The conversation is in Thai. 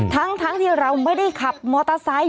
ทั้งที่เราไม่ได้ขับมอเตอร์ไซค์